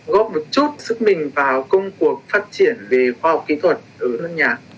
góp một chút sức mình vào công cuộc phát triển về khoa học kỹ thuật ở nước nhà